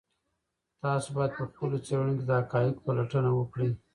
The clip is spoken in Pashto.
تاسو باید په خپلو څېړنو کې د حقایقو پلټنه وکړئ.